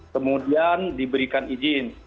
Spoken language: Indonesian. kemudian diberikan izin